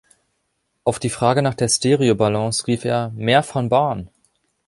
Auf die Frage nach der Stereo-Balance rief er: „Mehr von Barn!“